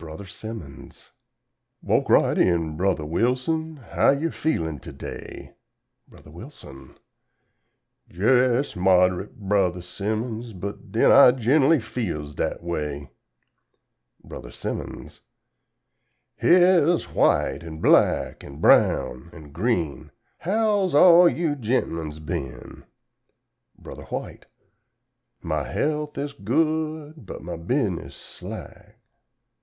Simmons_ "Walk right in Brother Wilson how you feelin' today?" Bro. Wilson "Jes Mod'rate, Brother Simmons, but den I ginnerly feels dat way." Bro. Simmons "Here's White an' Black an' Brown an' Green; how's all you gent'men's been?", Bro. White "My health is good but my bus'ness slack."